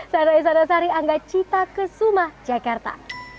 saya raisa dasari angga cita ke sumacekerta